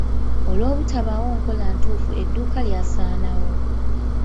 Olw'obutabaawo nkola ntuufu edduuka lyasaana wo.